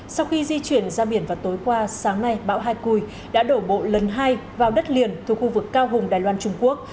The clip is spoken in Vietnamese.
sau khi di chuyển ra biển vào tối qua sáng nay bão hai cui đã đổ bộ lần hai vào đất liền thuộc khu vực cao hùng đài loan trung quốc